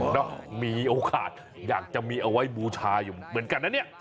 เนอะมีโอกาสอยากจะเอาไว้บูชาอยู่เหมือนกันน่ะนี้